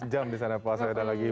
enam belas jam di sana puasanya